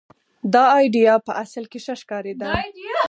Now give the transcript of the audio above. دا اېډیا په اصل کې ښه ښکارېده.